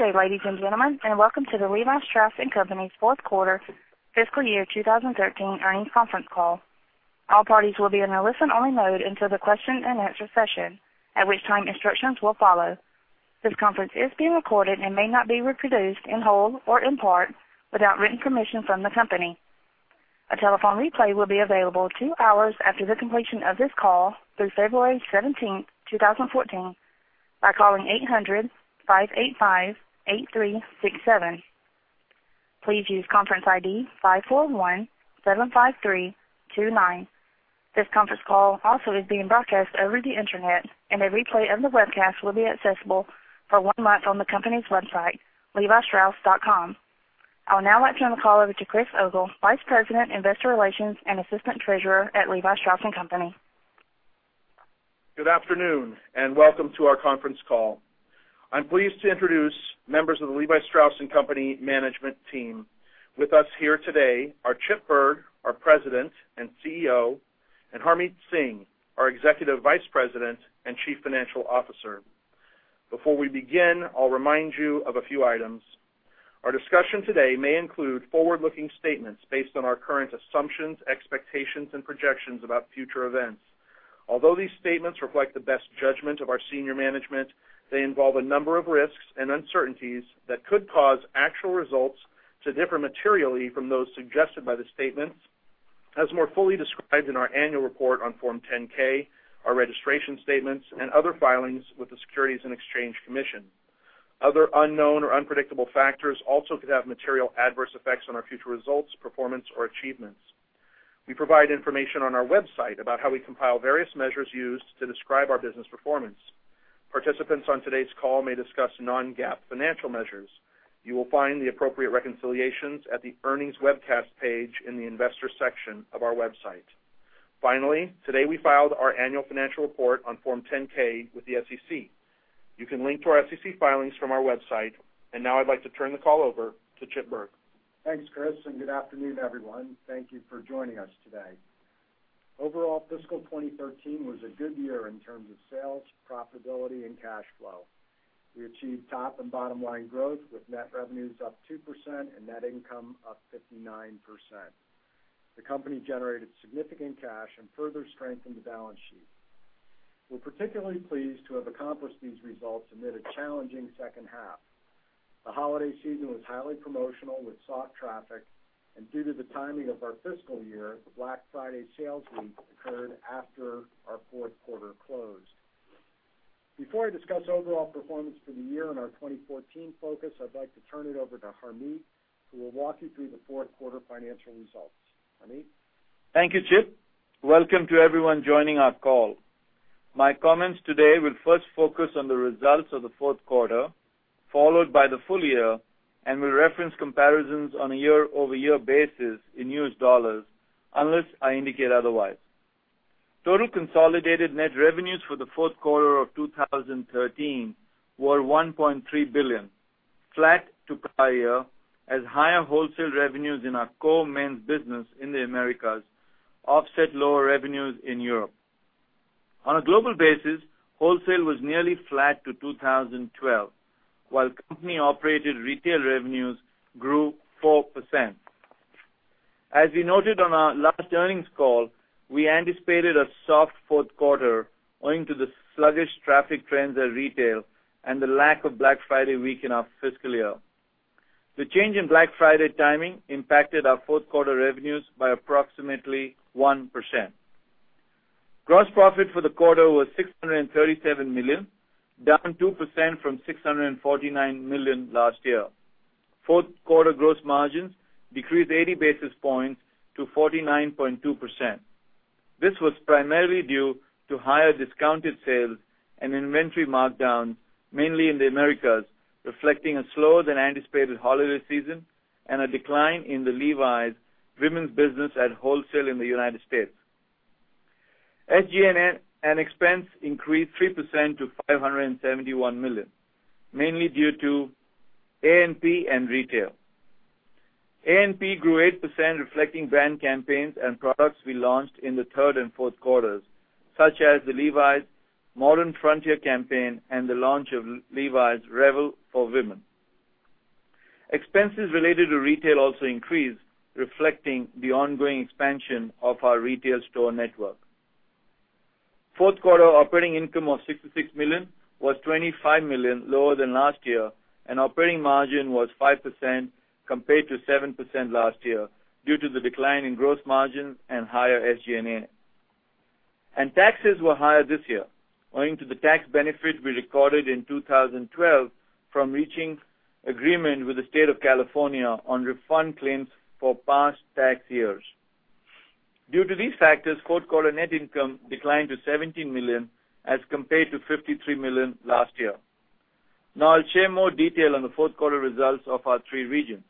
Good day, ladies and gentlemen, and welcome to the Levi Strauss & Co.'s fourth quarter fiscal year 2013 earnings conference call. All parties will be in a listen-only mode until the question and answer session, at which time instructions will follow. This conference is being recorded and may not be reproduced in whole or in part without written permission from the company. A telephone replay will be available two hours after the completion of this call through February 17, 2014, by calling 800-585-8367. Please use conference ID 54175329. This conference call also is being broadcast over the Internet, and a replay of the webcast will be accessible for one month on the company's website, levistrauss.com. I'll now like turn the call over to Chris Ogle, Vice President, Investor Relations, and Assistant Treasurer at Levi Strauss & Co. Good afternoon and welcome to our conference call. I'm pleased to introduce members of the Levi Strauss & Co. management team. With us here today are Chip Bergh, our President and CEO, and Harmit Singh, our Executive Vice President and Chief Financial Officer. Before we begin, I'll remind you of a few items. Our discussion today may include forward-looking statements based on our current assumptions, expectations, and projections about future events. Although these statements reflect the best judgment of our senior management, they involve a number of risks and uncertainties that could cause actual results to differ materially from those suggested by the statements as more fully described in our annual report on Form 10-K, our registration statements, and other filings with the Securities and Exchange Commission. Other unknown or unpredictable factors also could have material adverse effects on our future results, performance, or achievements. We provide information on our website about how we compile various measures used to describe our business performance. Participants on today's call may discuss non-GAAP financial measures. You will find the appropriate reconciliations at the Earnings Webcast page in the Investors section of our website. Finally, today we filed our annual financial report on Form 10-K with the SEC. You can link to our SEC filings from our website. Now I'd like to turn the call over to Chip Bergh. Thanks, Chris. Good afternoon, everyone. Thank you for joining us today. Overall, fiscal 2013 was a good year in terms of sales, profitability, and cash flow. We achieved top and bottom-line growth with net revenues up 2% and net income up 59%. The company generated significant cash and further strengthened the balance sheet. We're particularly pleased to have accomplished these results amid a challenging second half. The holiday season was highly promotional with soft traffic, and due to the timing of our fiscal year, the Black Friday sales week occurred after our fourth quarter close. Before I discuss overall performance for the year and our 2014 focus, I'd like to turn it over to Harmit, who will walk you through the fourth quarter financial results. Harmit? Thank you, Chip. Welcome to everyone joining our call. My comments today will first focus on the results of the fourth quarter, followed by the full year, and will reference comparisons on a year-over-year basis in U.S. dollars unless I indicate otherwise. Total consolidated net revenues for the fourth quarter of 2013 were $1.3 billion, flat to prior year, as higher wholesale revenues in our core men's business in the Americas offset lower revenues in Europe. On a global basis, wholesale was nearly flat to 2012, while company-operated retail revenues grew 4%. As we noted on our last earnings call, we anticipated a soft fourth quarter owing to the sluggish traffic trends at retail and the lack of Black Friday week in our fiscal year. The change in Black Friday timing impacted our fourth quarter revenues by approximately 1%. Gross profit for the quarter was $637 million, down 2% from $649 million last year. Fourth quarter gross margins decreased 80 basis points to 49.2%. This was primarily due to higher discounted sales and inventory markdowns, mainly in the Americas, reflecting a slower-than-anticipated holiday season and a decline in the Levi's women's business at wholesale in the United States. SG&A and expense increased 3% to $571 million, mainly due to A&P and retail. A&P grew 8%, reflecting brand campaigns and products we launched in the third and fourth quarters, such as The Levi's Modern Frontier campaign and the launch of Levi's Revel for women. Expenses related to retail also increased, reflecting the ongoing expansion of our retail store network. Fourth quarter operating income of $66 million was $25 million lower than last year, and operating margin was 5% compared to 7% last year due to the decline in gross margins and higher SG&A. Taxes were higher this year owing to the tax benefit we recorded in 2012 from reaching agreement with the state of California on refund claims for past tax years. Due to these factors, fourth quarter net income declined to $17 million as compared to $53 million last year. Now I'll share more detail on the fourth quarter results of our three regions.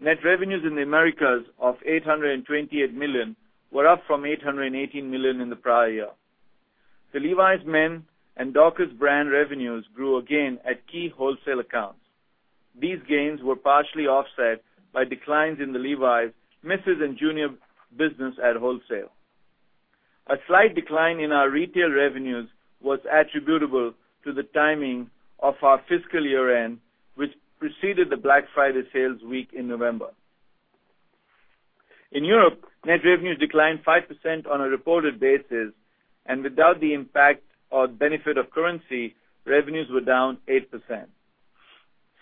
Net revenues in the Americas of $828 million were up from $818 million in the prior year. The Levi's Men and Dockers brand revenues grew again at key wholesale accounts. These gains were partially offset by declines in the Levi's misses and junior business at wholesale. A slight decline in our retail revenues was attributable to the timing of our fiscal year-end, which preceded the Black Friday sales week in November. In Europe, net revenues declined 5% on a reported basis, and without the impact or benefit of currency, revenues were down 8%.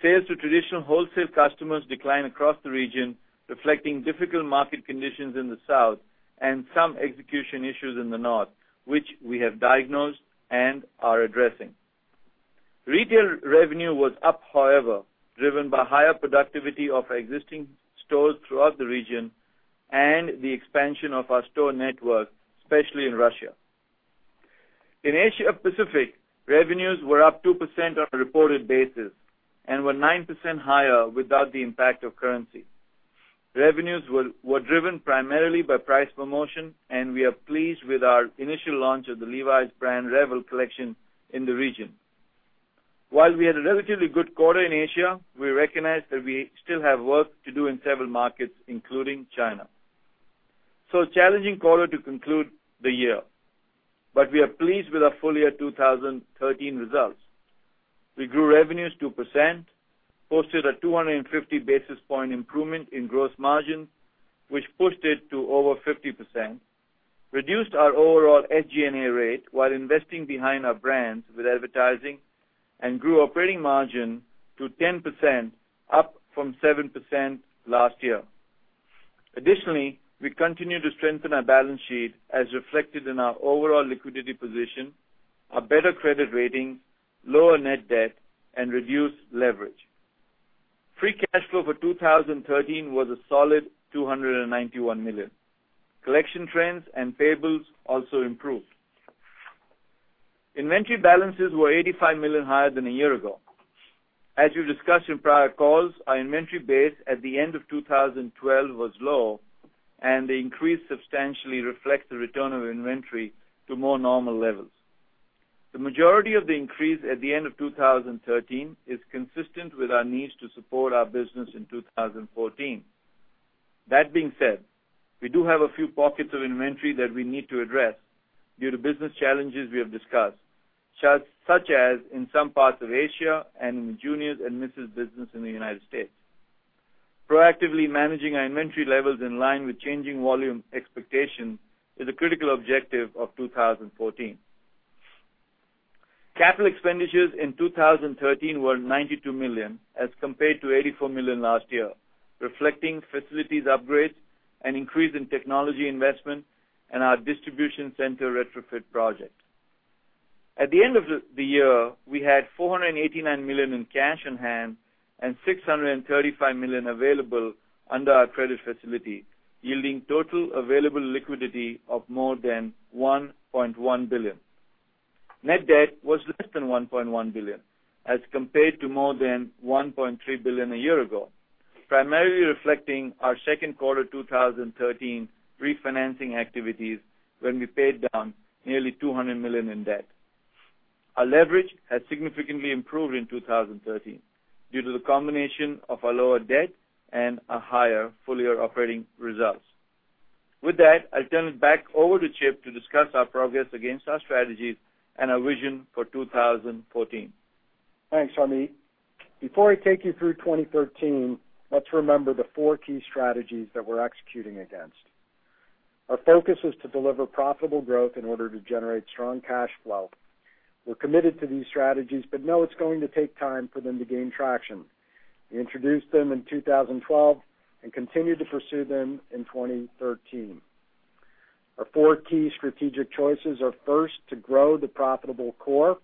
Sales to traditional wholesale customers declined across the region, reflecting difficult market conditions in the south and some execution issues in the north, which we have diagnosed and are addressing. Retail revenue was up, however, driven by higher productivity of our existing stores throughout the region and the expansion of our store network, especially in Russia. In Asia Pacific, revenues were up 2% on a reported basis and were 9% higher without the impact of currency. Revenues were driven primarily by price promotion, and we are pleased with our initial launch of the Levi's brand Revel collection in the region. While we had a relatively good quarter in Asia, we recognize that we still have work to do in several markets, including China. A challenging quarter to conclude the year. We are pleased with our full-year 2013 results. We grew revenues 2%, posted a 250 basis point improvement in gross margin, which pushed it to over 50%, reduced our overall SG&A rate while investing behind our brands with advertising, and grew operating margin to 10%, up from 7% last year. Additionally, we continue to strengthen our balance sheet as reflected in our overall liquidity position, a better credit rating, lower net debt, and reduced leverage. Free cash flow for 2013 was a solid $291 million. Collection trends and payables also improved. Inventory balances were $85 million higher than a year ago. As we discussed in prior calls, our inventory base at the end of 2012 was low, and the increase substantially reflects the return of inventory to more normal levels. The majority of the increase at the end of 2013 is consistent with our needs to support our business in 2014. That being said, we do have a few pockets of inventory that we need to address due to business challenges we have discussed, such as in some parts of Asia and in the juniors and misses business in the U.S. Proactively managing our inventory levels in line with changing volume expectations is a critical objective of 2014. Capital expenditures in 2013 were $92 million as compared to $84 million last year, reflecting facilities upgrades, an increase in technology investment, and our distribution center retrofit project. At the end of the year, we had $489 million in cash on hand and $635 million available under our credit facility, yielding total available liquidity of more than $1.1 billion. Net debt was less than $1.1 billion as compared to more than $1.3 billion a year ago, primarily reflecting our second quarter 2013 refinancing activities, when we paid down nearly $200 million in debt. Our leverage has significantly improved in 2013 due to the combination of a lower debt and a higher full-year operating results. With that, I turn it back over to Chip to discuss our progress against our strategies and our vision for 2014. Thanks, Harmit. Before I take you through 2013, let's remember the four key strategies that we're executing against. Our focus is to deliver profitable growth in order to generate strong cash flow. We're committed to these strategies, but know it's going to take time for them to gain traction. We introduced them in 2012 and continued to pursue them in 2013. Our four key strategic choices are, first, to grow the profitable core.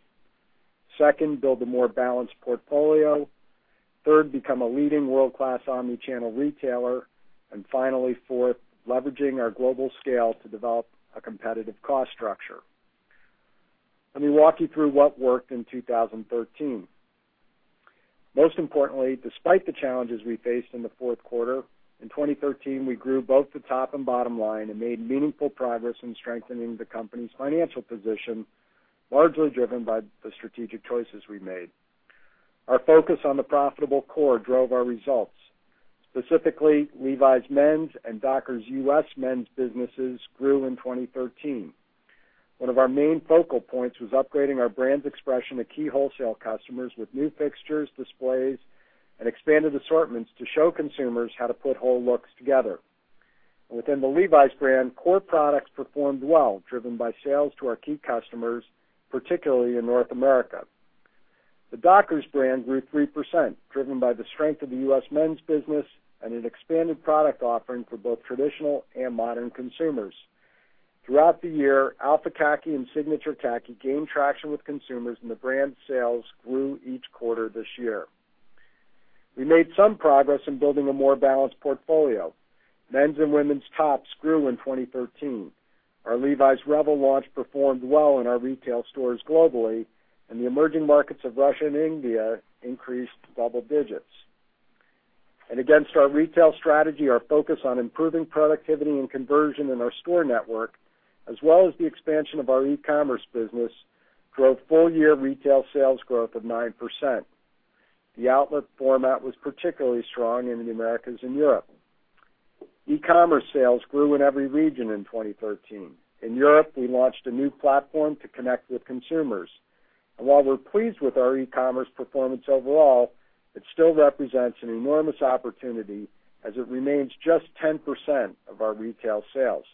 Second, build a more balanced portfolio. Third, become a leading world-class omni-channel retailer. Finally, fourth, leveraging our global scale to develop a competitive cost structure. Let me walk you through what worked in 2013. Most importantly, despite the challenges we faced in the fourth quarter, in 2013, we grew both the top and bottom line and made meaningful progress in strengthening the company's financial position, largely driven by the strategic choices we made. Our focus on the profitable core drove our results. Specifically, Levi's men's and Dockers U.S. men's businesses grew in 2013. One of our main focal points was upgrading our brand's expression to key wholesale customers with new fixtures, displays, and expanded assortments to show consumers how to put whole looks together. Within the Levi's brand, core products performed well, driven by sales to our key customers, particularly in North America. The Dockers brand grew 3%, driven by the strength of the U.S. men's business and an expanded product offering for both traditional and modern consumers. Throughout the year, Alpha Khaki and Signature Khaki gained traction with consumers, and the brand sales grew each quarter this year. We made some progress in building a more balanced portfolio. Men's and women's tops grew in 2013. Our Levi's Revel launch performed well in our retail stores globally, and the emerging markets of Russia and India increased double digits. Against our retail strategy, our focus on improving productivity and conversion in our store network, as well as the expansion of our e-commerce business, drove full-year retail sales growth of 9%. The outlet format was particularly strong in the Americas and Europe. E-commerce sales grew in every region in 2013. In Europe, we launched a new platform to connect with consumers. While we're pleased with our e-commerce performance overall, it still represents an enormous opportunity as it remains just 10% of our retail sales.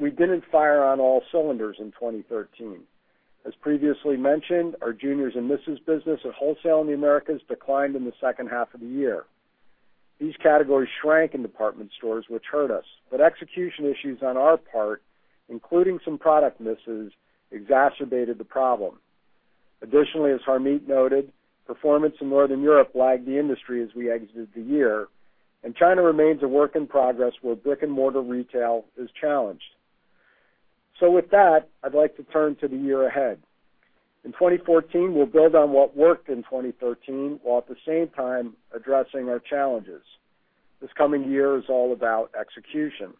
We didn't fire on all cylinders in 2013. As previously mentioned, our juniors and misses business at wholesale in the Americas declined in the second half of the year. These categories shrank in department stores, which hurt us. Execution issues on our part, including some product misses, exacerbated the problem. Additionally, as Harmit noted, performance in Northern Europe lagged the industry as we exited the year, and China remains a work in progress where brick-and-mortar retail is challenged. With that, I'd like to turn to the year ahead. In 2014, we'll build on what worked in 2013, while at the same time addressing our challenges. This coming year is all about execution.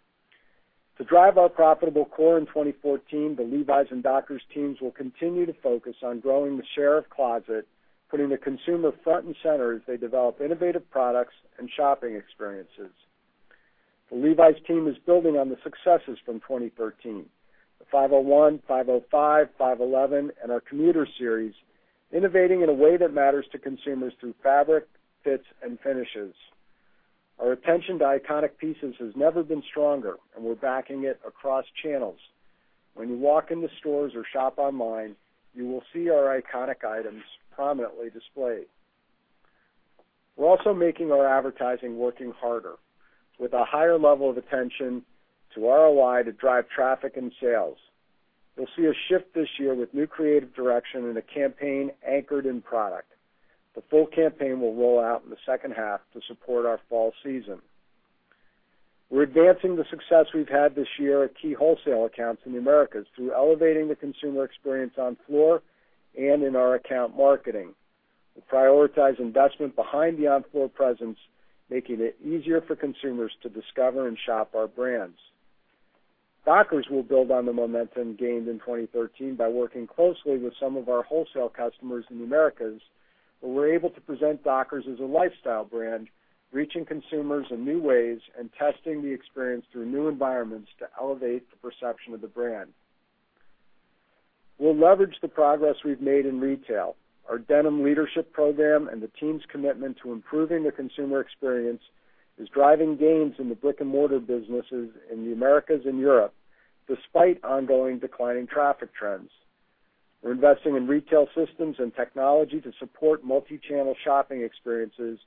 To drive our profitable core in 2014, the Levi's and Dockers teams will continue to focus on growing the share of closet, putting the consumer front and center as they develop innovative products and shopping experiences. The Levi's team is building on the successes from 2013, the 501, 505, 511, and our Commuter series, innovating in a way that matters to consumers through fabric, fits, and finishes. Our attention to iconic pieces has never been stronger, and we're backing it across channels. When you walk into stores or shop online, you will see our iconic items prominently displayed. We're also making our advertising working harder with a higher level of attention to ROI to drive traffic and sales. You'll see a shift this year with new creative direction and a campaign anchored in product. The full campaign will roll out in the second half to support our fall season. We're advancing the success we've had this year at key wholesale accounts in the Americas through elevating the consumer experience on floor and in our account marketing. We prioritize investment behind the on-floor presence, making it easier for consumers to discover and shop our brands. Dockers will build on the momentum gained in 2013 by working closely with some of our wholesale customers in the Americas, where we're able to present Dockers as a lifestyle brand, reaching consumers in new ways and testing the experience through new environments to elevate the perception of the brand. We'll leverage the progress we've made in retail. Our denim leadership program and the team's commitment to improving the consumer experience is driving gains in the brick-and-mortar businesses in the Americas and Europe, despite ongoing declining traffic trends. We're investing in retail systems and technology to support multi-channel shopping experiences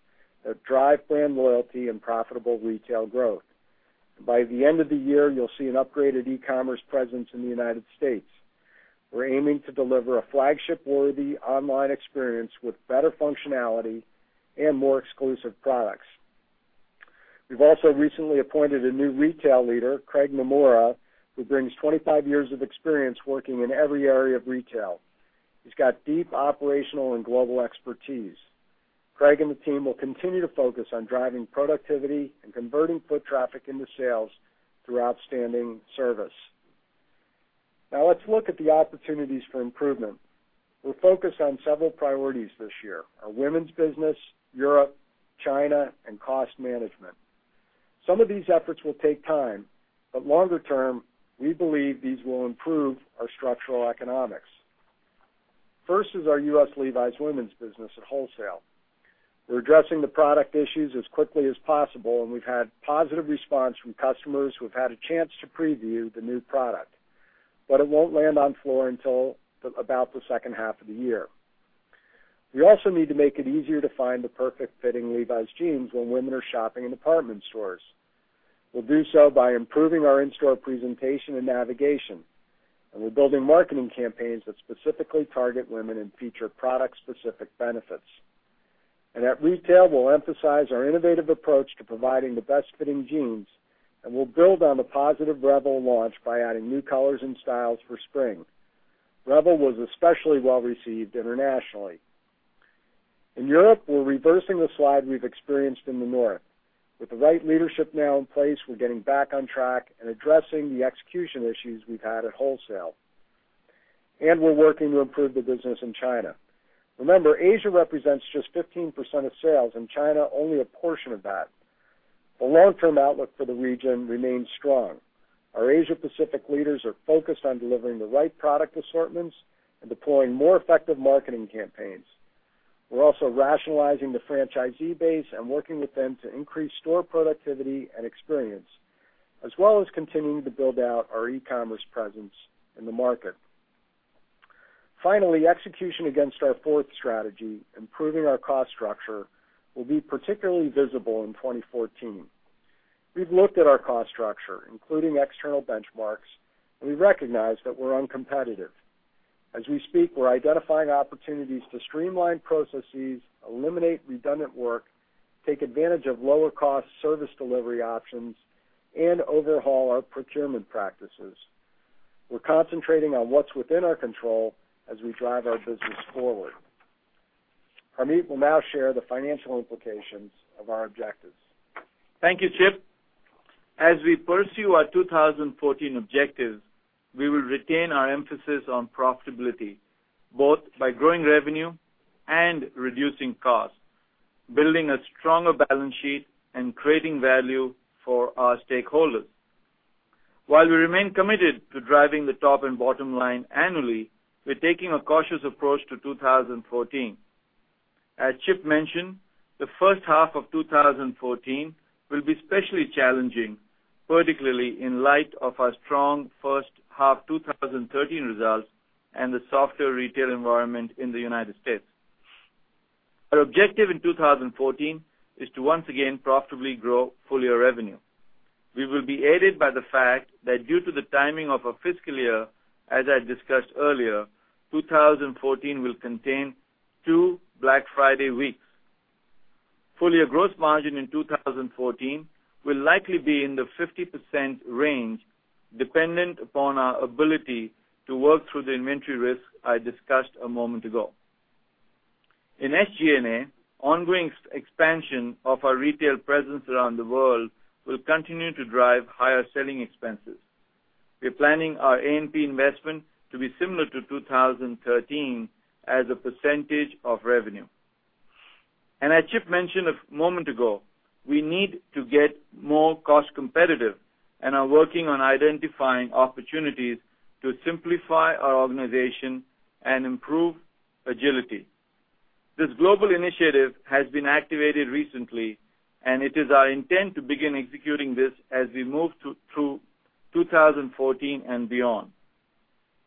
that drive brand loyalty and profitable retail growth. By the end of the year, you'll see an upgraded e-commerce presence in the U.S. We're aiming to deliver a flagship-worthy online experience with better functionality and more exclusive products. We've also recently appointed a new retail leader, Craig Nomura, who brings 25 years of experience working in every area of retail. He's got deep operational and global expertise. Craig and the team will continue to focus on driving productivity and converting foot traffic into sales through outstanding service. Now let's look at the opportunities for improvement. We're focused on several priorities this year, our women's business, Europe, China, and cost management. Some of these efforts will take time, but longer term, we believe these will improve our structural economics. First is our U.S. Levi's women's business at wholesale. We're addressing the product issues as quickly as possible, and we've had positive response from customers who have had a chance to preview the new product. It won't land on floor until about the second half of the year. We also need to make it easier to find the perfect-fitting Levi's jeans when women are shopping in department stores. We'll do so by improving our in-store presentation and navigation. We're building marketing campaigns that specifically target women and feature product-specific benefits. At retail, we'll emphasize our innovative approach to providing the best-fitting jeans, and we'll build on the positive Revel launch by adding new colors and styles for spring. Revel was especially well-received internationally. In Europe, we're reversing the slide we've experienced in the north. With the right leadership now in place, we're getting back on track and addressing the execution issues we've had at wholesale. We're working to improve the business in China. Remember, Asia represents just 15% of sales, and China only a portion of that. The long-term outlook for the region remains strong. Our Asia Pacific leaders are focused on delivering the right product assortments and deploying more effective marketing campaigns. We're also rationalizing the franchisee base and working with them to increase store productivity and experience, as well as continuing to build out our e-commerce presence in the market. Finally, execution against our fourth strategy, improving our cost structure, will be particularly visible in 2014. We've looked at our cost structure, including external benchmarks, and we recognize that we're uncompetitive. As we speak, we're identifying opportunities to streamline processes, eliminate redundant work, take advantage of lower-cost service delivery options, and overhaul our procurement practices. We're concentrating on what's within our control as we drive our business forward. Harmit will now share the financial implications of our objectives. Thank you, Chip. As we pursue our 2014 objectives, we will retain our emphasis on profitability, both by growing revenue and reducing costs, building a stronger balance sheet and creating value for our stakeholders. While we remain committed to driving the top and bottom line annually, we're taking a cautious approach to 2014. As Chip mentioned, the first half of 2014 will be especially challenging, particularly in light of our strong first half 2013 results and the softer retail environment in the U.S. Our objective in 2014 is to once again profitably grow full-year revenue. We will be aided by the fact that due to the timing of our fiscal year, as I discussed earlier, 2014 will contain two Black Friday weeks. Full-year gross margin in 2014 will likely be in the 50% range, dependent upon our ability to work through the inventory risk I discussed a moment ago. In SG&A, ongoing expansion of our retail presence around the world will continue to drive higher selling expenses. We're planning our A&P investment to be similar to 2013 as a percentage of revenue. As Chip mentioned a moment ago, we need to get more cost-competitive and are working on identifying opportunities to simplify our organization and improve agility. This global initiative has been activated recently, and it is our intent to begin executing this as we move through 2014 and beyond.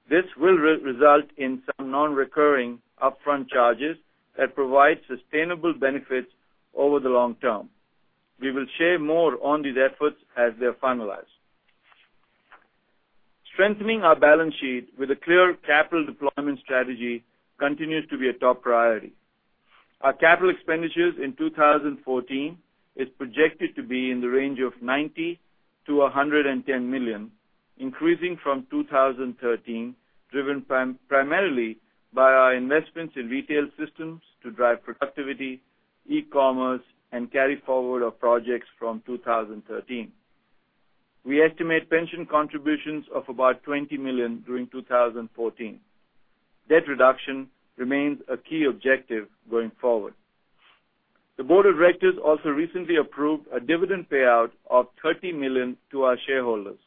This will result in some non-recurring upfront charges that provide sustainable benefits over the long term. We will share more on these efforts as they're finalized. Strengthening our balance sheet with a clear capital deployment strategy continues to be a top priority. Our capital expenditures in 2014 is projected to be in the range of $90 million-$110 million, increasing from 2013, driven primarily by our investments in retail systems to drive productivity, e-commerce, and carry forward our projects from 2013. We estimate pension contributions of about $20 million during 2014. Debt reduction remains a key objective going forward. The board of directors also recently approved a dividend payout of $30 million to our shareholders.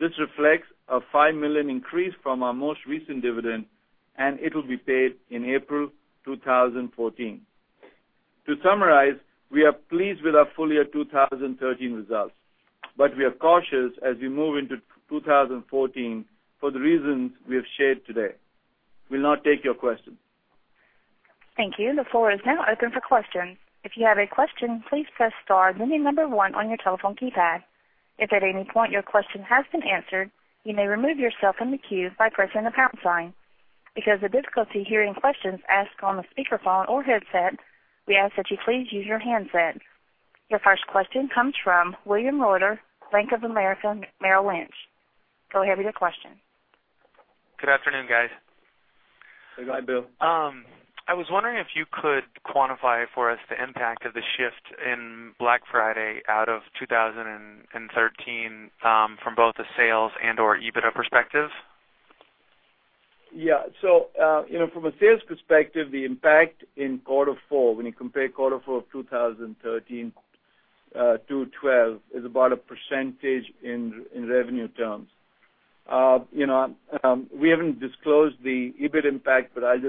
This reflects a $5 million increase from our most recent dividend, and it will be paid in April 2014. To summarize, we are pleased with our full-year 2013 results, we are cautious as we move into 2014 for the reasons we have shared today. We'll now take your questions. Thank you. The floor is now open for questions. If you have a question, please press star then the number 1 on your telephone keypad. If at any point your question has been answered, you may remove yourself from the queue by pressing the pound sign. Because of difficulty hearing questions asked on a speakerphone or headset, we ask that you please use your handset. Your first question comes from William Reuter, Bank of America, Merrill Lynch. Go ahead with your question. Good afternoon, guys. Good morning, William. I was wondering if you could quantify for us the impact of the shift in Black Friday out of 2013 from both a sales and/or EBITDA perspective. Yeah. From a sales perspective, the impact in quarter four, when you compare quarter four of 2013 to 2012, is about a percentage in revenue terms. We haven't disclosed the EBIT impact, but I'd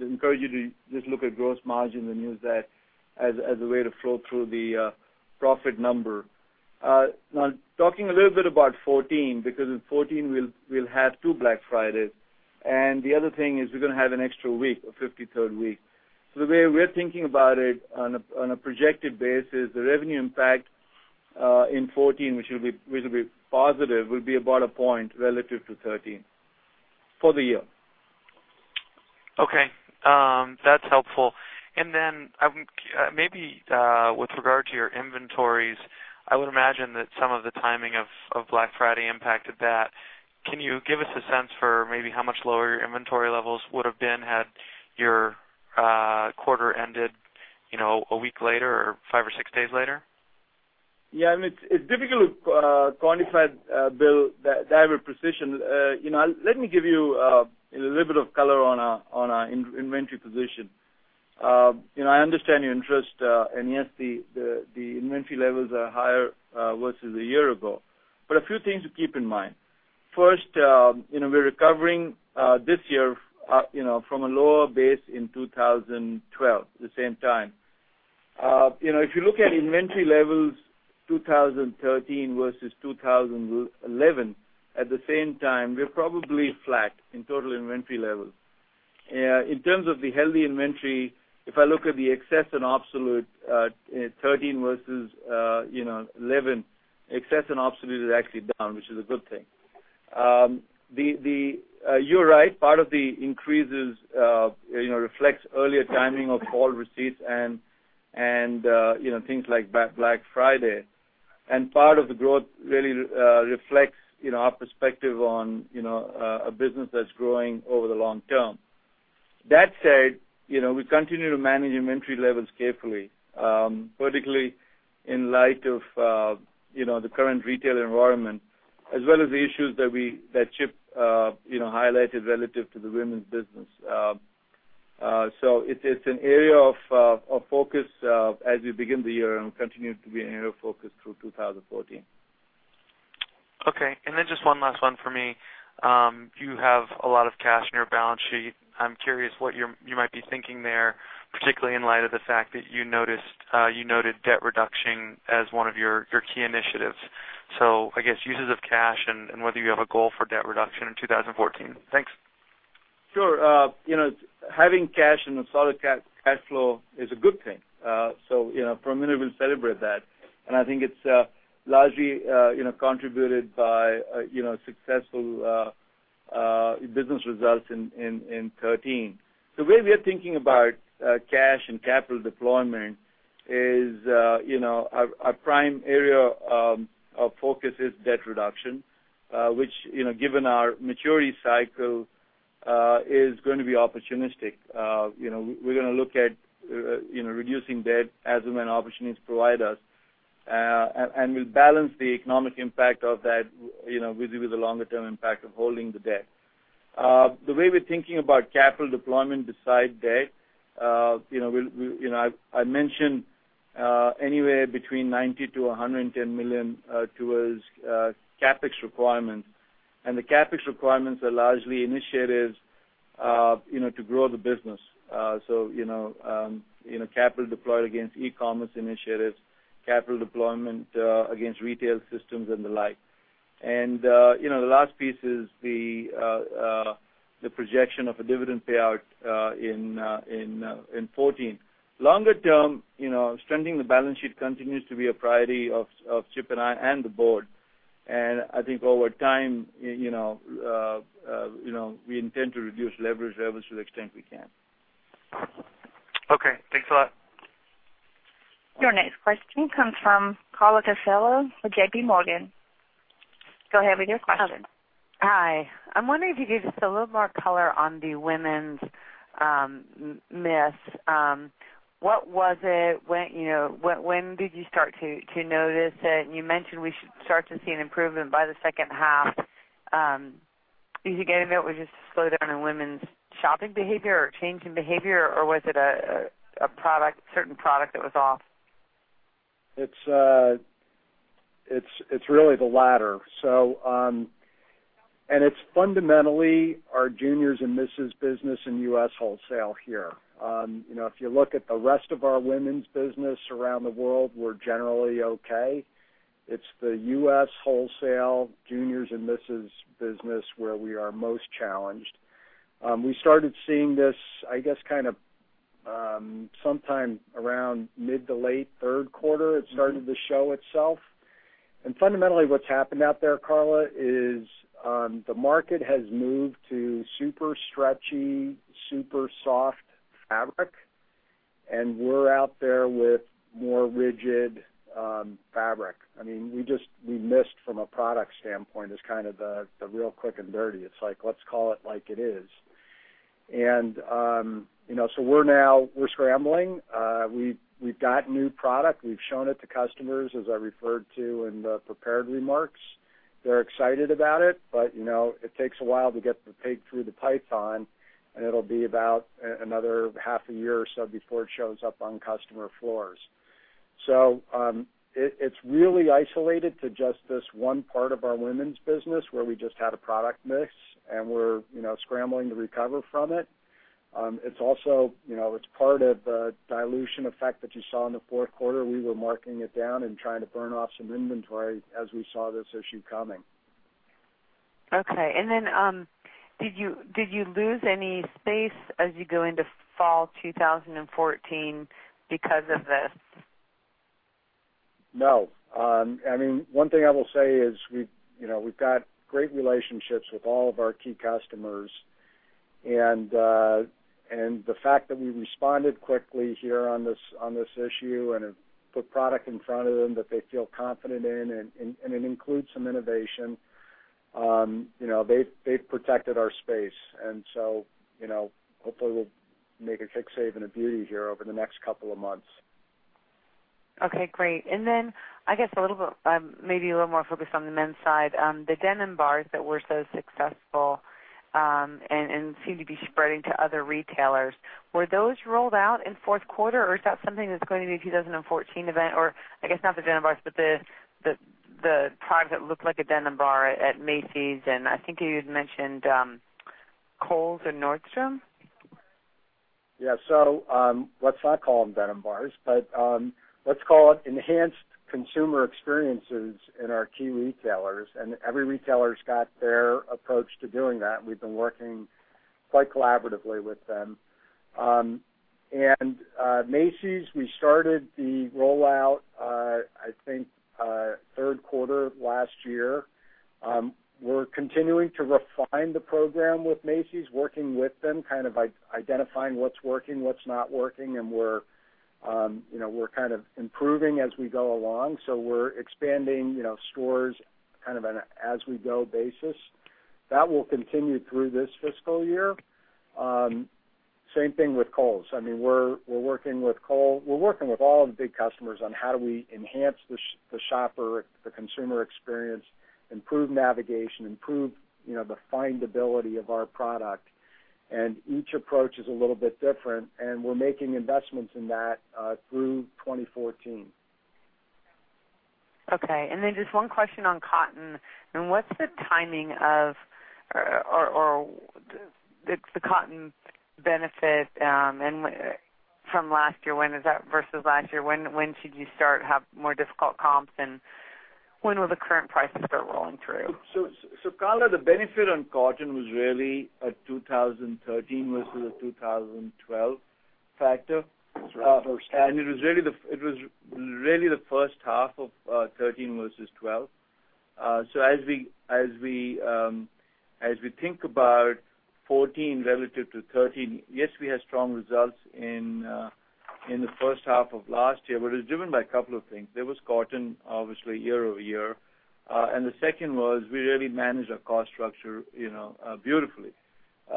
encourage you to just look at gross margin and use that as a way to flow through the profit number. Now, talking a little bit about 2014, because in 2014, we'll have two Black Fridays. The other thing is we're going to have an extra week, a 53rd week. The way we're thinking about it on a projected basis, the revenue impact in 2014, which will be positive, will be about a point relative to 2013, for the year. Okay. That's helpful. Maybe with regard to your inventories, I would imagine that some of the timing of Black Friday impacted that. Can you give us a sense for maybe how much lower your inventory levels would have been had your quarter ended a week later or five or six days later? Yeah, it's difficult to quantify, William, that with precision. Let me give you a little bit of color on our inventory position. I understand your interest, yes, the inventory levels are higher versus a year ago. A few things to keep in mind. First, we're recovering this year from a lower base in 2012, at the same time. If you look at inventory levels 2013 versus 2011, at the same time, we're probably flat in total inventory levels. In terms of the healthy inventory, if I look at the excess and obsolete 2013 versus 2011, excess and obsolete is actually down, which is a good thing. You're right, part of the increases reflects earlier timing of fall receipts and things like Black Friday. Part of the growth really reflects our perspective on a business that's growing over the long term. That said, we continue to manage inventory levels carefully, particularly in light of the current retail environment, as well as the issues that Chip highlighted relative to the women's business. It's an area of focus as we begin the year and will continue to be an area of focus through 2014. Okay. Just one last one for me. You have a lot of cash in your balance sheet. I'm curious what you might be thinking there, particularly in light of the fact that you noted debt reduction as one of your key initiatives. I guess uses of cash and whether you have a goal for debt reduction in 2014. Thanks. Sure. Having cash and a solid cash flow is a good thing. For a minute, we'll celebrate that. I think it's largely contributed by successful business results in 2013. The way we are thinking about cash and capital deployment is, our prime area of focus is debt reduction, which, given our maturity cycle, is going to be opportunistic. We're going to look at reducing debt as and when opportunities provide us, and we'll balance the economic impact of that with the longer-term impact of holding the debt. The way we are thinking about capital deployment beside debt, I mentioned anywhere between $90 million-$110 million towards CapEx requirements, and the CapEx requirements are largely initiatives to grow the business. Capital deployed against e-commerce initiatives, capital deployment against retail systems and the like. The last piece is the projection of a dividend payout in 2014. Longer term, strengthening the balance sheet continues to be a priority of Chip and I and the board. I think over time, we intend to reduce leverage levels to the extent we can. Okay. Thanks a lot. Your next question comes from Carla Casella with J.P. Morgan. Go ahead with your question. Hi. I'm wondering if you could give us a little more color on the women's miss. What was it? When did you start to notice it? You mentioned we should start to see an improvement by the second half. Do you think any of it was just a slowdown in women's shopping behavior or change in behavior, or was it a certain product that was off? It's really the latter. It's fundamentally our juniors and misses business in U.S. wholesale here. If you look at the rest of our women's business around the world, we're generally okay. It's the U.S. wholesale juniors and misses business where we are most challenged. We started seeing this, I guess, sometime around mid to late third quarter, it started to show itself. Fundamentally, what's happened out there, Carla, is the market has moved to super stretchy, super soft fabric, and we're out there with more rigid fabric. We missed from a product standpoint is the real quick and dirty. It's like, let's call it like it is. Now we're scrambling. We've got new product. We've shown it to customers, as I referred to in the prepared remarks. They're excited about it takes a while to get the pig through the python, and it'll be about another half a year or so before it shows up on customer floors. It's really isolated to just this one part of our women's business where we just had a product miss, and we're scrambling to recover from it. It's part of the dilution effect that you saw in the fourth quarter. We were marking it down and trying to burn off some inventory as we saw this issue coming. Okay. Did you lose any space as you go into fall 2014 because of this? No. One thing I will say is we've got great relationships with all of our key customers. The fact that we responded quickly here on this issue and have put product in front of them that they feel confident in, it includes some innovation. They've protected our space. Hopefully we'll make a quick save and a beauty here over the next couple of months. Okay, great. I guess maybe a little more focused on the men's side. The denim bars that were so successful and seem to be spreading to other retailers, were those rolled out in fourth quarter, or is that something that's going to be a 2014 event? I guess not the denim bars, but the product that looked like a denim bar at Macy's, and I think you had mentioned Kohl's and Nordstrom? Yeah. Let's not call them denim bars, but let's call it enhanced consumer experiences in our key retailers. Every retailer's got their approach to doing that. We've been working quite collaboratively with them. Macy's, we started the rollout, I think, third quarter of last year. We're continuing to refine the program with Macy's, working with them, identifying what's working, what's not working, and we're kind of improving as we go along. We're expanding stores kind of on an as-we-go basis. That will continue through this fiscal year. Same thing with Kohl's. We're working with Kohl's. We're working with all the big customers on how do we enhance the shopper, the consumer experience, improve navigation, improve the findability of our product. Each approach is a little bit different. We're making investments in that through 2014. Okay. Just one question on cotton. What's the timing of the cotton benefit from last year? Versus last year, when should you start to have more difficult comps, when will the current prices start rolling through? Carla, the benefit on cotton was really a 2013 versus a 2012 factor. It was the first half. It was really the first half of 2013 versus 2012. As we think about 2014 relative to 2013, yes, we had strong results in the first half of last year, but it was driven by a couple of things. There was cotton, obviously, year-over-year. The second was we really managed our cost structure beautifully. There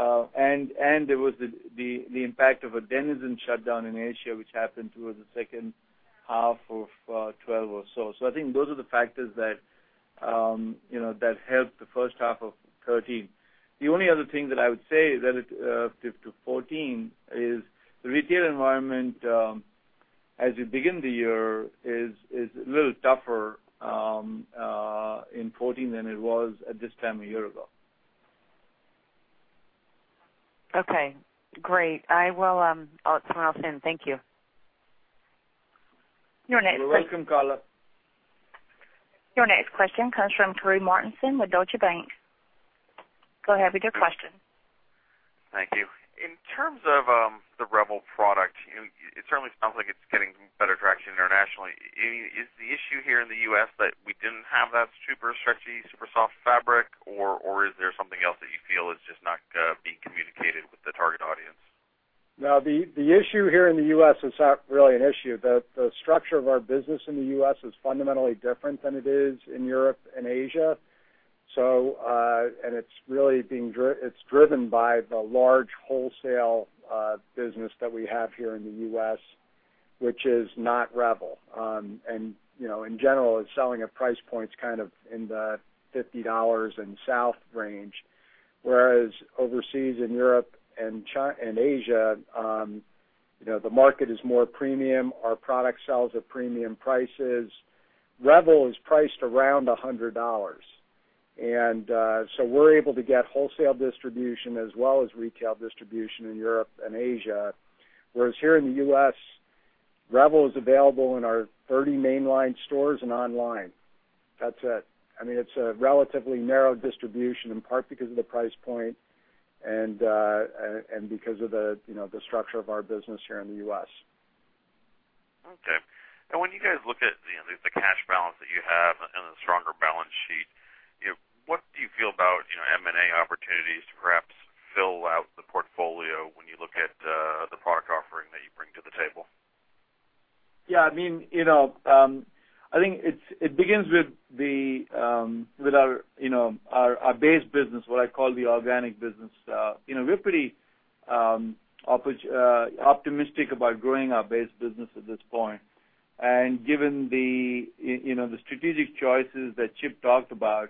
was the impact of a Denizen shutdown in Asia, which happened towards the second half of 2012 or so. I think those are the factors that helped the first half of 2013. The only other thing that I would say relative to 2014 is the retail environment, as we begin the year, is a little tougher in 2014 than it was at this time a year ago. Okay, great. I will. I'll turn off then. Thank you. You're welcome, Carla. Your next question comes from [Corey Mortensen with Deutsche Bank. Go ahead with your question. Thank you. In terms of the Revel product, it certainly sounds like it's getting better traction internationally. Is the issue here in the U.S. that we didn't have that super stretchy, super soft fabric, or is there something else that you feel is just not being communicated with the target audience? No, the issue here in the U.S. is not really an issue. The structure of our business in the U.S. is fundamentally different than it is in Europe and Asia. It's driven by the large wholesale business that we have here in the U.S., which is not Revel. In general, it's selling at price points kind of in the $50 and south range. Whereas overseas in Europe and Asia, the market is more premium. Our product sells at premium prices. Revel is priced around $100. So we're able to get wholesale distribution as well as retail distribution in Europe and Asia. Whereas here in the U.S., Revel is available in our 30 mainline stores and online. That's it. It's a relatively narrow distribution, in part because of the price point and because of the structure of our business here in the U.S. Okay. When you guys look at the cash balance that you have and the stronger balance sheet, what do you feel about M&A opportunities to perhaps fill out the portfolio when you look at the product offering that you bring to the table? Yeah. I think it begins with our base business, what I call the organic business. We're pretty optimistic about growing our base business at this point. Given the strategic choices that Chip talked about,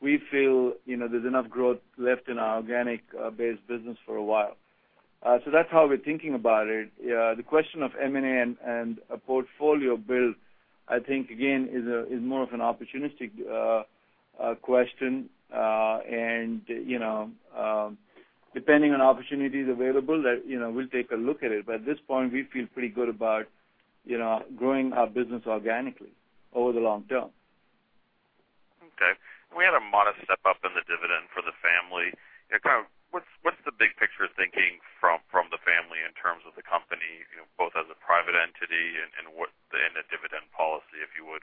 we feel there's enough growth left in our organic base business for a while. That's how we're thinking about it. The question of M&A and a portfolio build, I think, again, is more of an opportunistic question. Depending on opportunities available, we'll take a look at it. At this point, we feel pretty good about growing our business organically over the long term. Okay. We had a modest step up in the dividend for the family. What's the big picture thinking from the family in terms of the company, both as a private entity and the dividend policy, if you would?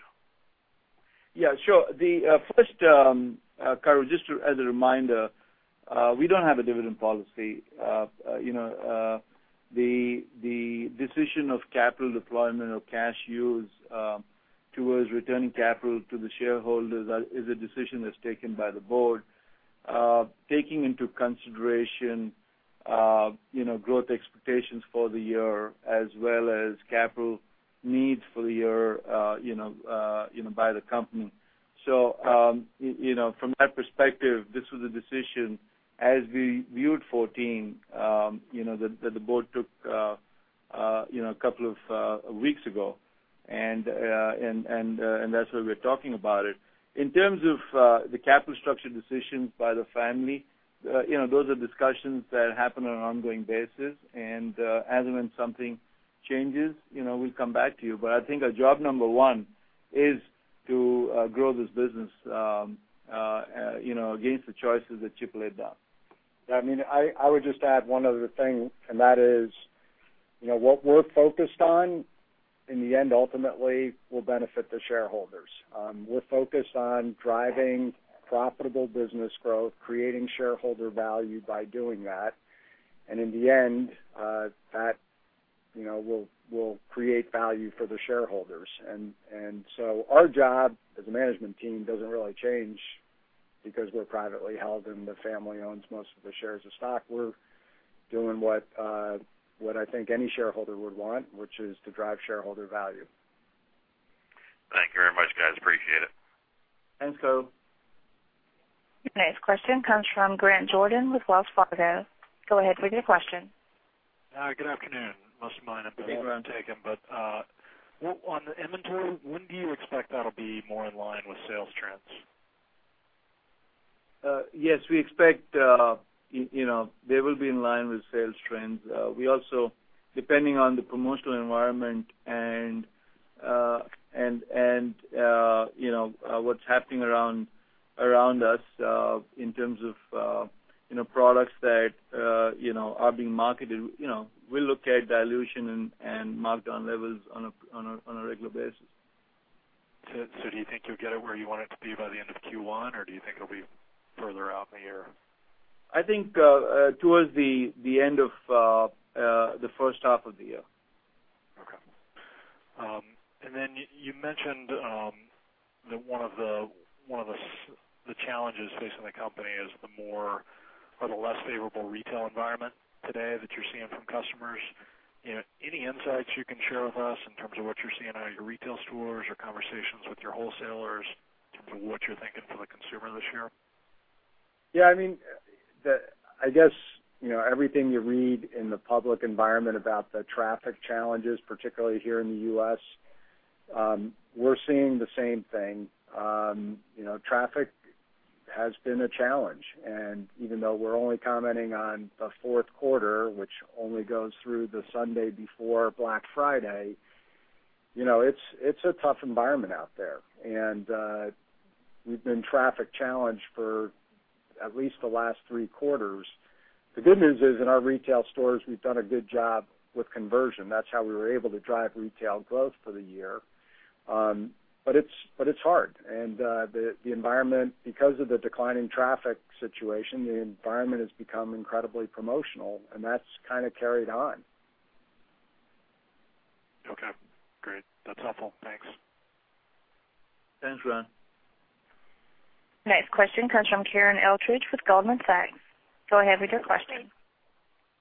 Yeah, sure. The first, Corey, just as a reminder, we don't have a dividend policy. The decision of capital deployment or cash use towards returning capital to the shareholders is a decision that's taken by the board, taking into consideration growth expectations for the year as well as capital needs for the year by the company. From that perspective, this was a decision as we viewed 2014, that the board took a couple of weeks ago, that's why we're talking about it. In terms of the capital structure decisions by the family, those are discussions that happen on an ongoing basis, as and when something changes, we'll come back to you. I think our job number one is to grow this business against the choices that Chip laid out. I would just add one other thing, and that is what we're focused on. In the end, ultimately, will benefit the shareholders. We're focused on driving profitable business growth, creating shareholder value by doing that. In the end, that will create value for the shareholders. Our job as a management team doesn't really change because we're privately held and the family owns most of the shares of stock. We're doing what I think any shareholder would want, which is to drive shareholder value. Thank you very much, guys. Appreciate it. Thanks, Corey. Next question comes from Grant Jordan with Wells Fargo. Go ahead with your question. Good afternoon. Most of mine have been ground taken, on the inventory, when do you expect that'll be more in line with sales trends? Yes, we expect they will be in line with sales trends. We also, depending on the promotional environment and what's happening around us in terms of products that are being marketed, we look at dilution and markdown levels on a regular basis. Do you think you'll get it where you want it to be by the end of Q1, or do you think it'll be further out in the year? I think towards the end of the first half of the year. Okay. Then you mentioned that one of the challenges facing the company is the more or the less favorable retail environment today that you're seeing from customers. Any insights you can share with us in terms of what you're seeing out of your retail stores or conversations with your wholesalers in terms of what you're thinking for the consumer this year? Yeah. I guess, everything you read in the public environment about the traffic challenges, particularly here in the U.S., we're seeing the same thing. Traffic has been a challenge. Even though we're only commenting on the fourth quarter, which only goes through the Sunday before Black Friday, it's a tough environment out there. We've been traffic challenged for at least the last three quarters. The good news is, in our retail stores, we've done a good job with conversion. That's how we were able to drive retail growth for the year. It's hard. Because of the declining traffic situation, the environment has become incredibly promotional, and that's kind of carried on. Okay, great. That's helpful. Thanks. Thanks, Grant. Next question comes from Karen Eldridge with Goldman Sachs. Go ahead with your question.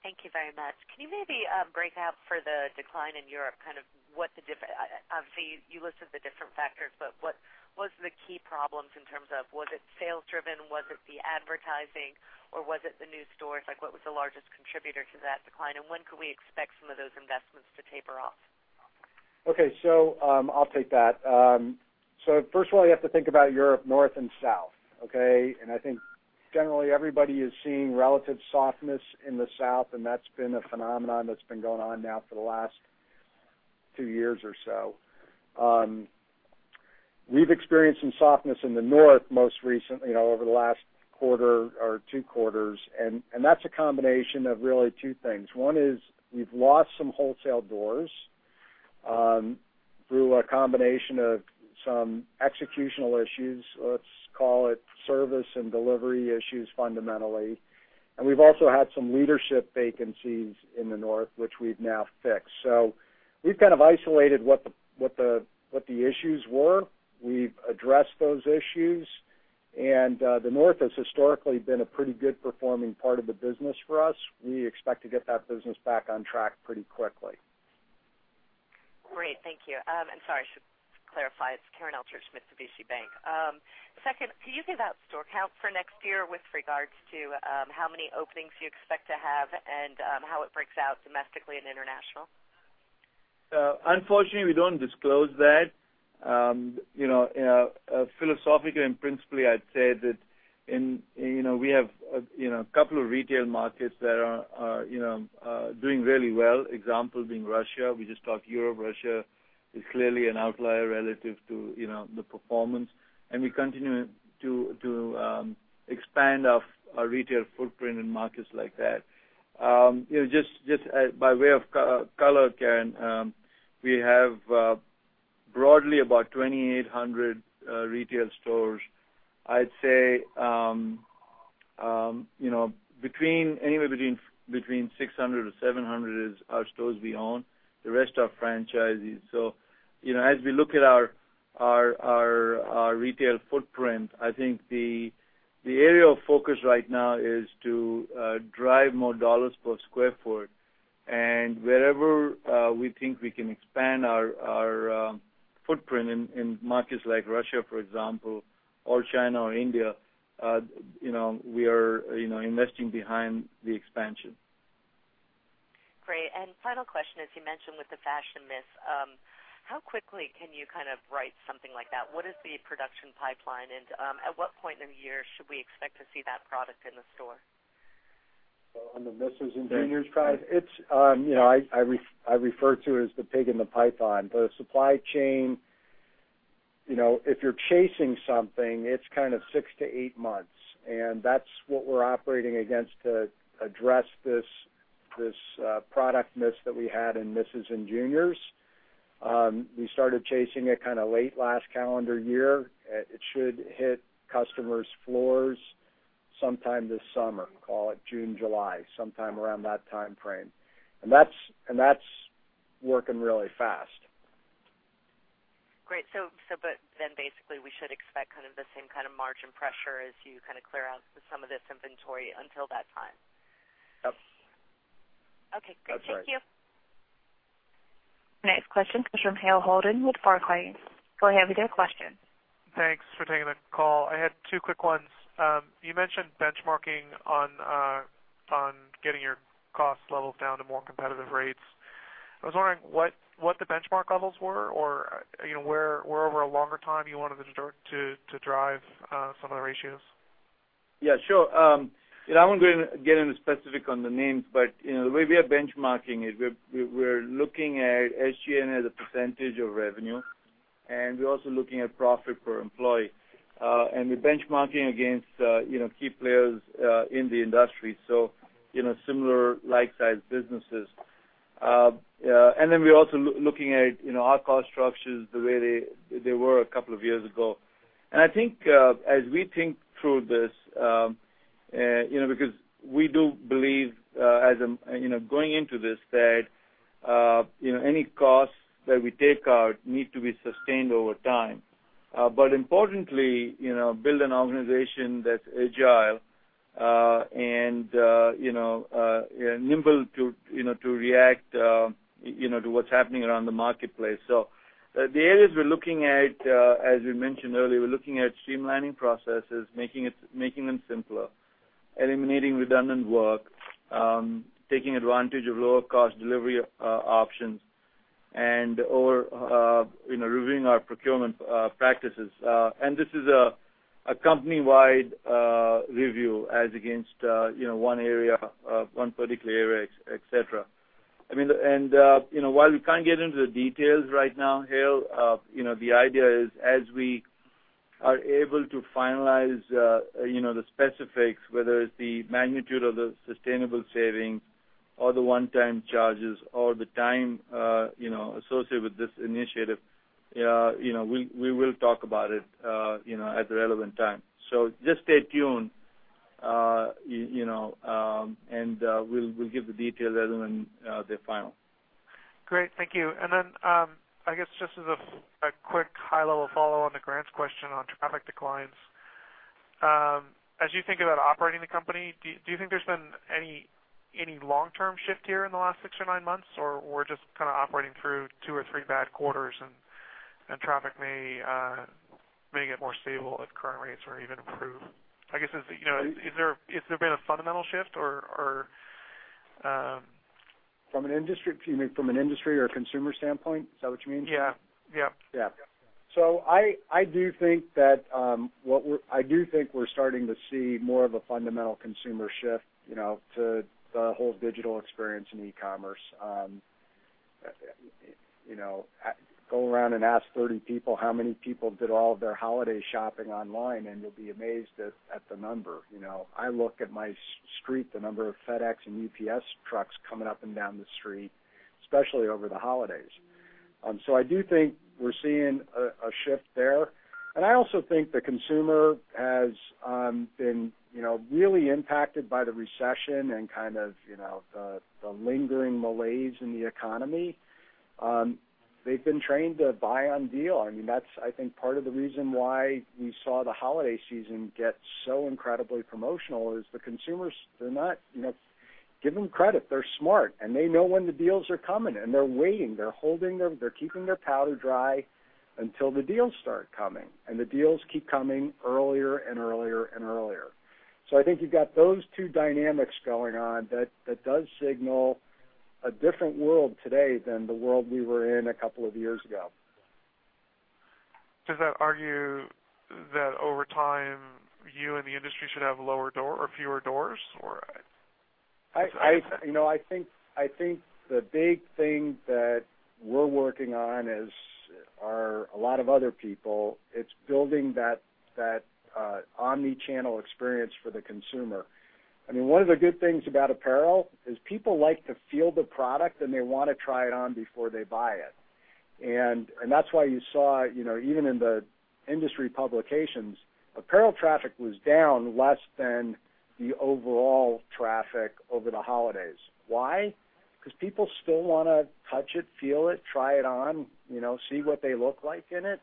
Thank you very much. Can you maybe break out for the decline in Europe, Obviously, you listed the different factors, but what's the key problems in terms of, was it sales driven? Was it the advertising, or was it the new stores? What was the largest contributor to that decline, and when could we expect some of those investments to taper off? Okay. I'll take that. First of all, you have to think about Europe, north and south, okay? I think generally everybody is seeing relative softness in the south, and that's been a phenomenon that's been going on now for the last two years or so. We've experienced some softness in the north most recently, over the last quarter or two quarters, and that's a combination of really two things. One is we've lost some wholesale doors through a combination of some executional issues, let's call it service and delivery issues, fundamentally. We've also had some leadership vacancies in the north, which we've now fixed. We've kind of isolated what the issues were. We've addressed those issues, and the north has historically been a pretty good performing part of the business for us. We expect to get that business back on track pretty quickly. Great. Thank you. Sorry, I should clarify. It's Karen Eldridge, MUFG Bank. Second, can you give out store count for next year with regards to how many openings you expect to have and how it breaks out domestically and international? Unfortunately, we don't disclose that. Philosophically and principally, I'd say that we have a couple of retail markets that are doing really well, example being Russia. We just talked Europe. Russia is clearly an outlier relative to the performance, and we continue to expand our retail footprint in markets like that. Just by way of color, Karen, we have broadly about 2,800 retail stores. I'd say anywhere between 600 or 700 is our stores we own. The rest are franchisees. As we look at our retail footprint, I think the area of focus right now is to drive more $ per square foot. Wherever we think we can expand our footprint in markets like Russia, for example, or China or India, we are investing behind the expansion. Great. Final question, as you mentioned with the fashion miss, how quickly can you kind of write something like that? What is the production pipeline, and at what point in the year should we expect to see that product in the store? On the misses and juniors side, I refer to it as the pig in the python. The supply chain If you're chasing something, it's six to eight months, and that's what we're operating against to address this product miss that we had in misses and juniors. We started chasing it late last calendar year. It should hit customers' floors sometime this summer, call it June, July, sometime around that timeframe. That's working really fast. Great. Basically we should expect the same kind of margin pressure as you clear out some of this inventory until that time. Yep. Okay, great. Thank you. Our next question comes from Hale Holden with Barclays. Go ahead with your question. Thanks for taking the call. I had two quick ones. You mentioned benchmarking on getting your cost levels down to more competitive rates. I was wondering what the benchmark levels were or where over a longer time you wanted to start to drive some of the ratios. Yeah, sure. I won't get into specific on the names. The way we are benchmarking is we're looking at SG&A as a % of revenue. We're also looking at profit per employee. We're benchmarking against key players in the industry, so similar like-sized businesses. Then we're also looking at our cost structures the way they were a couple of years ago. I think, as we think through this, because we do believe going into this that any costs that we take out need to be sustained over time. Importantly, build an organization that's agile and nimble to react to what's happening around the marketplace. The areas we're looking at, as we mentioned earlier, we're looking at streamlining processes, making them simpler, eliminating redundant work, taking advantage of lower cost delivery options, and/or reviewing our procurement practices. This is a company-wide review as against one particular area, et cetera. While we can't get into the details right now, Hale, the idea is as we are able to finalize the specifics, whether it's the magnitude of the sustainable savings or the one-time charges or the time associated with this initiative, we will talk about it at the relevant time. Just stay tuned, we'll give the details as and when they're final. Great. Thank you. Then, I guess just as a quick high-level follow on Grant's question on traffic declines. As you think about operating the company, do you think there's been any long-term shift here in the last six or nine months, or we're just operating through two or three bad quarters and traffic may get more stable if current rates were even approved? I guess, has there been a fundamental shift or From an industry or a consumer standpoint? Is that what you mean? Yeah. Yeah. I do think we're starting to see more of a fundamental consumer shift to the whole digital experience in e-commerce. Go around and ask 30 people how many people did all of their holiday shopping online, and you'll be amazed at the number. I look at my street, the number of FedEx and UPS trucks coming up and down the street, especially over the holidays. I do think we're seeing a shift there. I also think the consumer has been really impacted by the recession and the lingering malaise in the economy. They've been trained to buy on deal. That's I think part of the reason why we saw the holiday season get so incredibly promotional is the consumers, Give them credit. They're smart, and they know when the deals are coming, and they're waiting. They're keeping their powder dry until the deals start coming, the deals keep coming earlier and earlier and earlier. I think you've got those two dynamics going on that does signal a different world today than the world we were in a couple of years ago. Does that argue that over time, you and the industry should have lower or fewer doors? I think the big thing that we're working on, as are a lot of other people, it's building that omni-channel experience for the consumer. One of the good things about apparel is people like to feel the product, and they want to try it on before they buy it. That's why you saw, even in the industry publications, apparel traffic was down less than the overall traffic over the holidays. Why? Because people still want to touch it, feel it, try it on, see what they look like in it.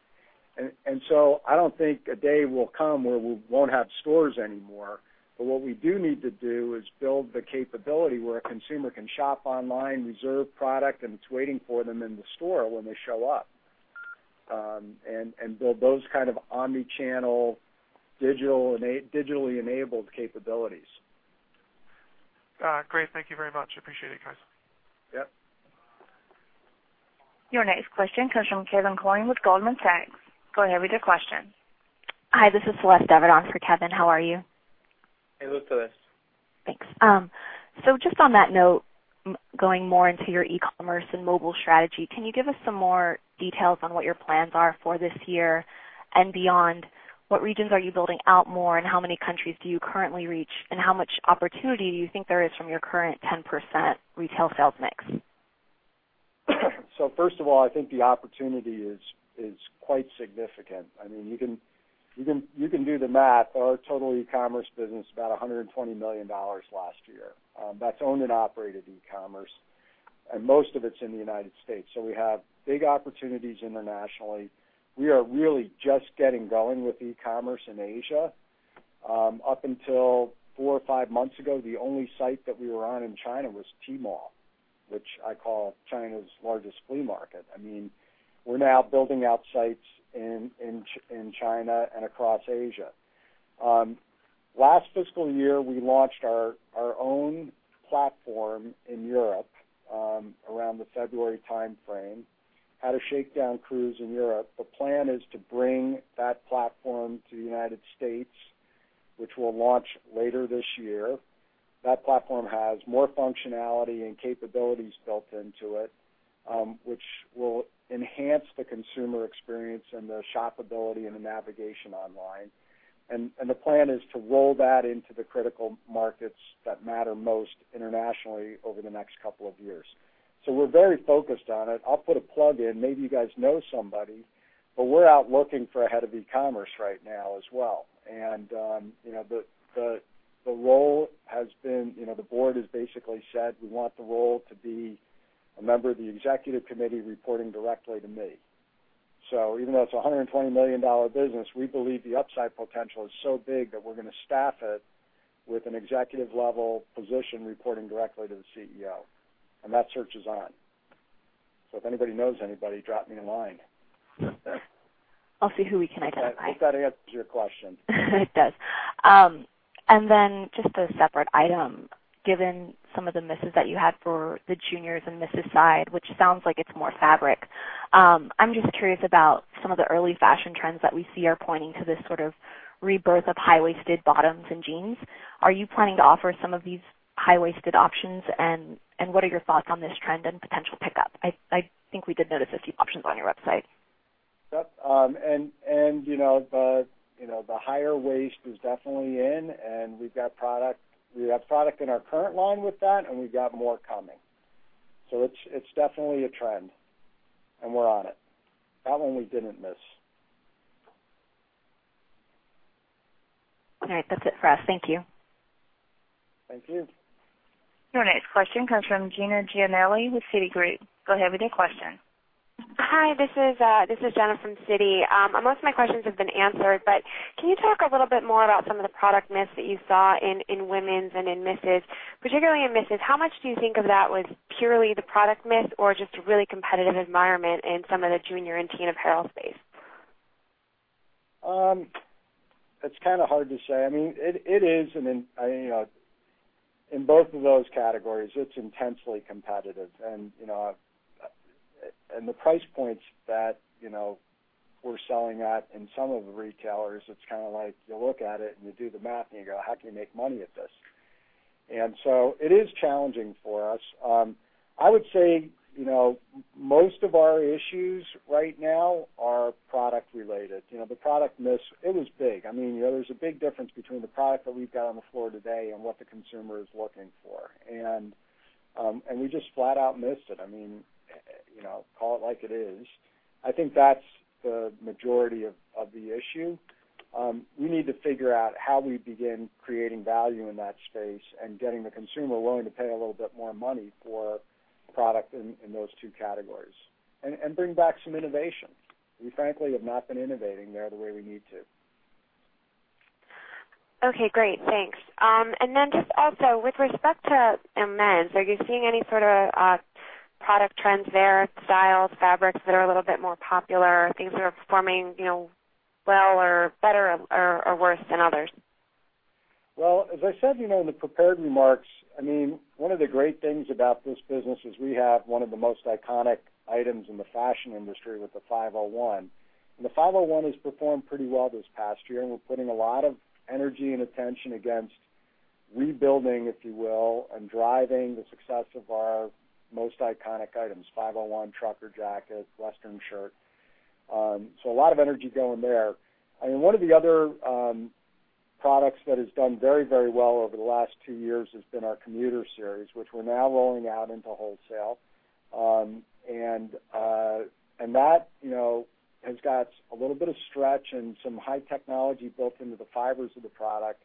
I don't think a day will come where we won't have stores anymore. What we do need to do is build the capability where a consumer can shop online, reserve product, and it's waiting for them in the store when they show up, and build those kinds of omni-channel, digitally enabled capabilities. Great. Thank you very much. Appreciate it, guys. Yep. Your next question comes from [Kevin Coyne] with Goldman Sachs. Go ahead with your question. Hi, this is [Celeste Avedon] for Kevin. How are you? Hey there [Celeste]. Thanks. Just on that note, going more into your e-commerce and mobile strategy, can you give us some more details on what your plans are for this year and beyond? What regions are you building out more, and how many countries do you currently reach? How much opportunity do you think there is from your current 10% retail sales mix? First of all, I think the opportunity is quite significant. You can do the math. Our total e-commerce business was about $120 million last year. That's owned and operated e-commerce, and most of it's in the United States. We have big opportunities internationally. We are really just getting going with e-commerce in Asia. Up until four or five months ago, the only site that we were on in China was Tmall, which I call China's largest flea market. We're now building out sites in China and across Asia. Last fiscal year, we launched our own platform in Europe, around the February timeframe. Had a shakedown cruise in Europe. The plan is to bring that platform to the United States, which we'll launch later this year. That platform has more functionality and capabilities built into it, which will enhance the consumer experience and the shopability and the navigation online. The plan is to roll that into the critical markets that matter most internationally over the next couple of years. We're very focused on it. I'll put a plug in. Maybe you guys know somebody, but we're out looking for a head of e-commerce right now as well. The board has basically said we want the role to be a member of the executive committee reporting directly to me. Even though it's a $120 million business, we believe the upside potential is so big that we're going to staff it with an executive-level position reporting directly to the CEO. That search is on. If anybody knows anybody, drop me a line. I'll see who we can identify. Hope that answers your question. It does. Just a separate item. Given some of the misses that you had for the juniors and misses side, which sounds like it's more fabric. I'm just curious about some of the early fashion trends that we see are pointing to this sort of rebirth of high-waisted bottoms and jeans. Are you planning to offer some of these high-waisted options, and what are your thoughts on this trend and potential pickup? I think we did notice a few options on your website. Yep. The higher waist is definitely in, and we've got product in our current line with that, and we've got more coming. It's definitely a trend, and we're on it. That one we didn't miss. All right. That's it for us. Thank you. Thank you. Your next question comes from Jenna Giannelli with Citigroup. Go ahead with your question. Hi, this is Jenna from Citi. Most of my questions have been answered. Can you talk a little bit more about some of the product miss that you saw in womens and in misses? Particularly in misses, how much do you think of that was purely the product miss or just a really competitive environment in some of the junior and teen apparel space? It's kind of hard to say. In both of those categories, it's intensely competitive. The price points that we're selling at in some of the retailers, it's kind of like, you look at it and you do the math and you go, "How can you make money at this?" It is challenging for us. I would say, most of our issues right now are product related. The product miss, it is big. There's a big difference between the product that we've got on the floor today and what the consumer is looking for. We just flat out missed it. Call it like it is. I think that's the majority of the issue. We need to figure out how we begin creating value in that space and getting the consumer willing to pay a little bit more money for product in those two categories and bring back some innovation. We frankly have not been innovating there the way we need to. Okay, great. Thanks. Then just also with respect to men's, are you seeing any sort of product trends there, styles, fabrics that are a little bit more popular, things that are performing well or better or worse than others? Well, as I said in the prepared remarks, one of the great things about this business is we have one of the most iconic items in the fashion industry with the 501. The 501 has performed pretty well this past year, and we're putting a lot of energy and attention against rebuilding, if you will, and driving the success of our most iconic items, 501 Trucker Jacket, Western Shirt. A lot of energy going there. One of the other products that has done very well over the last two years has been our Commuter series, which we're now rolling out into wholesale. That has got a little bit of stretch and some high technology built into the fibers of the product.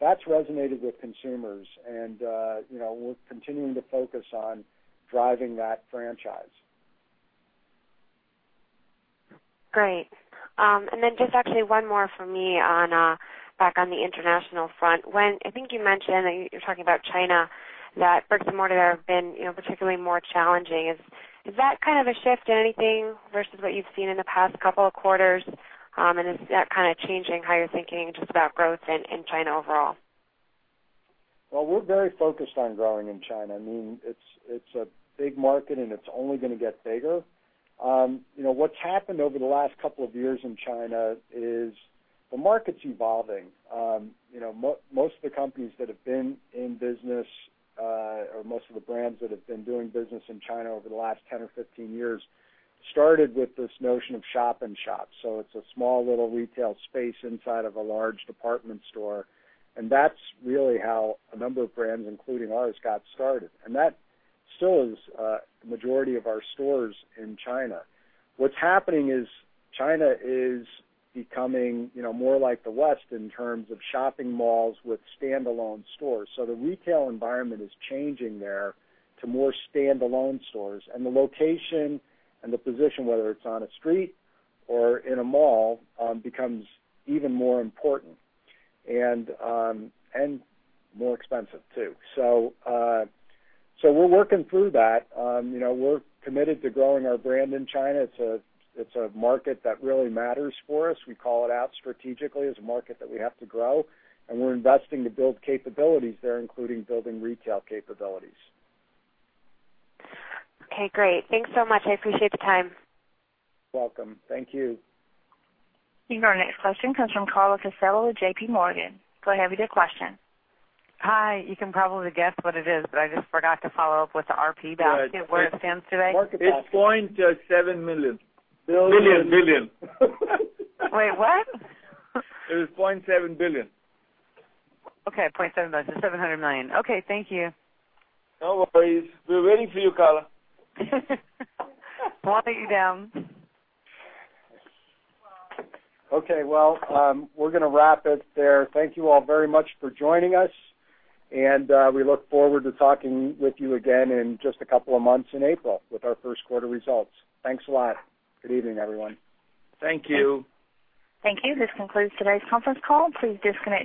That's resonated with consumers, and we're continuing to focus on driving that franchise. Great. Then just actually one more from me back on the international front. I think you mentioned, you were talking about China, that bricks and mortar have been particularly more challenging. Is that kind of a shift in anything versus what you've seen in the past couple of quarters? Is that kind of changing how you're thinking just about growth in China overall? Well, we're very focused on growing in China. It's a big market, and it's only going to get bigger. What's happened over the last couple of years in China is the market's evolving. Most of the companies that have been in business, or most of the brands that have been doing business in China over the last 10 or 15 years, started with this notion of shop in shop. It's a small little retail space inside of a large department store, and that's really how a number of brands, including ours, got started. That still is a majority of our stores in China. What's happening is China is becoming more like the West in terms of shopping malls with standalone stores. The retail environment is changing there to more standalone stores. The location and the position, whether it's on a street or in a mall, becomes even more important and more expensive, too. We're working through that. We're committed to growing our brand in China. It's a market that really matters for us. We call it out strategically as a market that we have to grow, and we're investing to build capabilities there, including building retail capabilities. Okay, great. Thanks so much. I appreciate the time. Welcome. Thank you. Our next question comes from Carla Casella with J.P. Morgan. Go ahead with your question. Hi. You can probably guess what it is, but I just forgot to follow up with the RP balance sheet, where it stands today. It's $0.7 million. Billion. Wait, what? It is $0.7 billion. Okay, $0.7 billion, so $700 million. Okay, thank you. No worries. We're waiting for you, Carla. Calming you down. Okay. Well, we're going to wrap it there. Thank you all very much for joining us, and we look forward to talking with you again in just a couple of months in April with our first quarter results. Thanks a lot. Good evening, everyone. Thank you. Thank you. This concludes today's conference call. Please disconnect your-